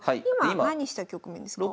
今何した局面ですか？